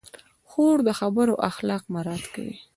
خور د خبرو اخلاق مراعت کوي.